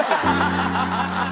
ハハハハ！